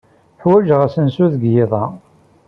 Ḥwajeɣ asensu deg yiḍ-a.